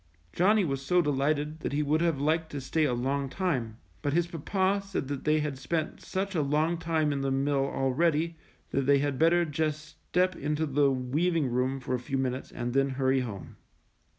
Johnny 156 NANNIE'S COAT. was so delighted that he would have liked to stay a long time, but his papa said they had spent such a long time in the mill already that they had better just step into the weav ing room for a few minutes and then hurry home.